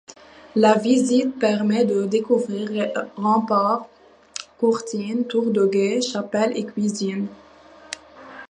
La visite permet de découvrir remparts, courtines, tours de guet, chapelle et cuisine.